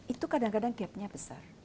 itu kadang kadang gap nya besar